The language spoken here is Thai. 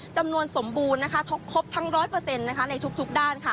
จำนวนสมบูรณ์ครบทั้ง๑๐๐ในทุกด้าน